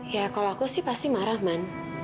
ya kalau aku sih pasti marah man